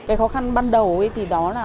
cái khó khăn ban đầu thì đó là